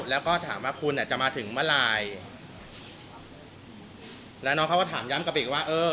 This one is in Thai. แล้วก็ถามว่าคุณอ่ะจะมาถึงเมื่อไหร่แล้วน้องเขาก็ถามย้ำกลับไปอีกว่าเออ